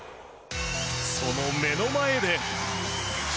その目の前で。